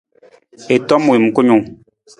I tom wiim kunung.